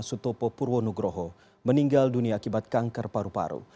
sutopo purwonugroho meninggal dunia akibat kanker paru paru